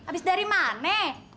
abis dari mana